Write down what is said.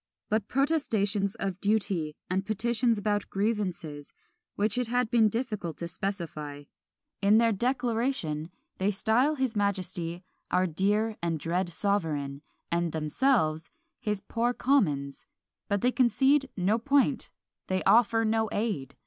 but protestations of duty, and petitions about grievances, which it had been difficult to specify. In their "Declaration" they style his Majesty "Our dear and dread sovereign," and themselves "his poor Commons:" but they concede no point they offer no aid!